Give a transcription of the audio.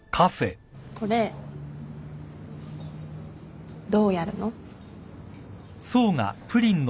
これどうやるの？